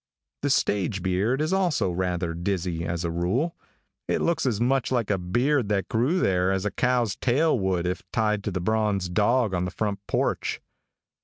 "The stage beard is also rather dizzy, as a rule. It looks as much like a beard that grew there, as a cow's tail would if tied to the bronze dog on the front porch.